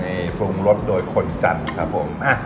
นี่ปรุงรสโดยคนจันทร์ครับผม